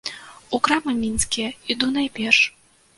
У крамы мінскія іду найперш.